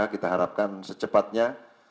kita harapkan secepatnya